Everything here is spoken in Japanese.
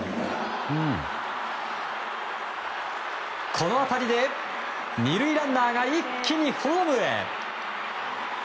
この当たりで２塁ランナーが一気にホームへ。